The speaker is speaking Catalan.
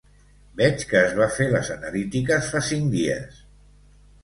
Veig que es va fer les analítiques fa cinc dies.